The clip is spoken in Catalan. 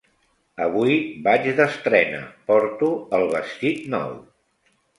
Avui vaig d'estrena, porto el vestit nou.